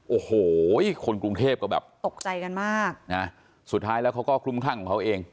โอ้โหคนกรุงเทพก็แบบตกใจกันมากนะสุดท้ายแล้วเขาก็คลุมคลั่งของเขาเอง